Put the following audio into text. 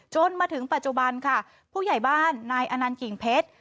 จนถึงปัจจุบันค่ะผู้ใหญ่บ้านนายอนันต์กิ่งเพชร